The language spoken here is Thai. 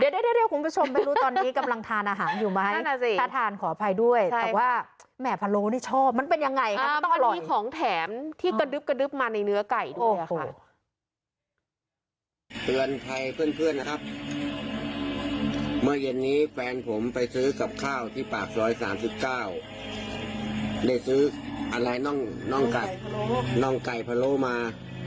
ที่ปากสร้อยสามสิบเก้าได้ซื้ออะไรน่องน่องกัดน่องไก่พะโลมา